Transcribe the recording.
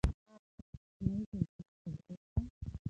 آیا تاسو په سیمه ییزو ژبو پوهېږئ؟